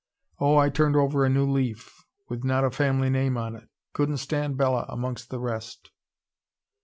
Oh, I turned over a new leaf, with not a family name on it. Couldn't stand Bella amongst the rest."